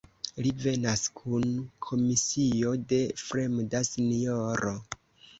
Li venas kun komisio de fremda sinjoro.